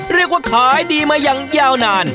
เรียกว่าขายดีมาอย่างยาวนาน